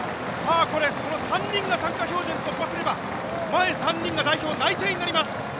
３人が参加標準を突破すれば前３人が代表内定になります。